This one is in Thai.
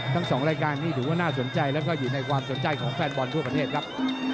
๒รายการนี้ถือว่าน่าสนใจแล้วก็อยู่ในความสนใจของแฟนบอลทั่วประเทศครับ